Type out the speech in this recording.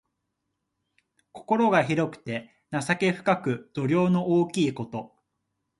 心が広くて情け深く、度量の大きいこと。